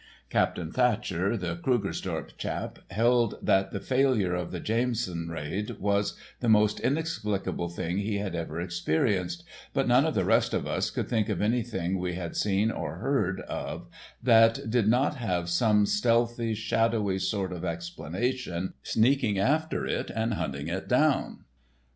Captain Thatcher, the Krugersdorp chap, held that the failure of the Jameson Raid was the most inexplicable thing he had ever experienced, but none of the rest of us could think of anything we had seen or heard of that did not have some stealthy, shadowy sort of explanation sneaking after it and hunting it down.